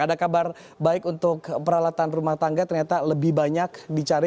ada kabar baik untuk peralatan rumah tangga ternyata lebih banyak dicari